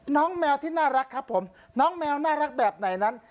แมวที่น่ารักครับผมน้องแมวน่ารักแบบไหนนั้น